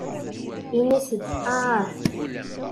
Init-d ahhh.